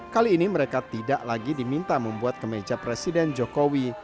kali ini mereka tidak lagi diminta membuat kemeja presiden jokowi